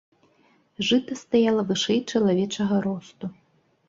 Жыта стаяла вышэй чалавечага росту.